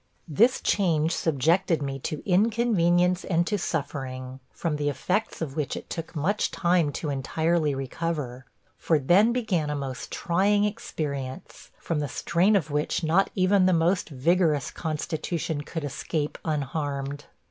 This change subjected me to inconvenience and to suffering, from the effects of which it took much time to entirely recover. For then began a most trying experience, from the strain of which not even the most vigorous constitution could escape unharmed.